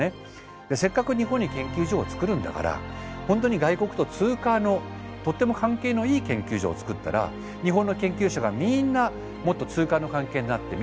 せっかく日本に研究所を作るんだから本当に外国とツーカーのとっても関係のいい研究所を作ったら日本の研究者がみんなもっとツーカーの関係になってみんな得するんだ。